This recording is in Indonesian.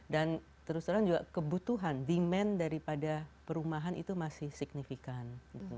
dan terus terang juga kebutuhan demand daripada perumahan itu masih signifikan